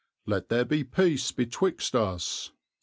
Let there be peace betwixt us."